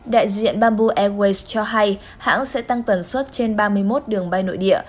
đại diện bamboo airways cho hay hãng sẽ tăng tần suất trên ba mươi một đường bay nội địa